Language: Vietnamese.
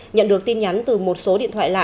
nhận được tin nhắn từ một số điện thoại lạ